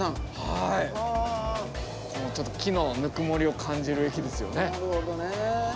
ちょっと木のぬくもりを感じる駅ですよね。